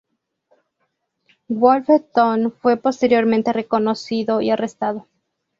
Wolfe Tone fue posteriormente reconocido y arrestado.